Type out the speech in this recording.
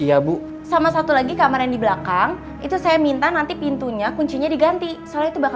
assalamualaikum tangga suara